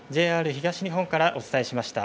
ＪＲ東日本からお伝えしました。